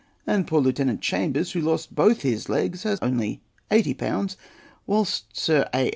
and poor Lieutenant Chambers, who lost both his legs, has only 80£., whilst Sir A.